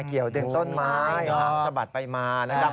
เกี่ยวดึงต้นไม้หางสะบัดไปมา